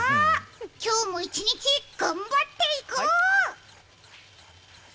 今日も一日、頑張っていこう！